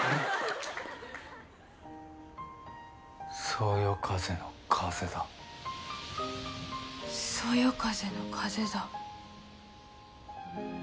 「そよ風の風だ」「そよ風の風だ」